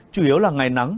chủ yếu là ngày nắng